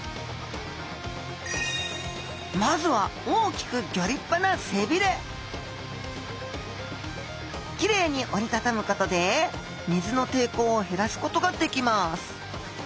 まずは大きくギョ立派なきれいに折り畳むことで水の抵抗を減らすことができます。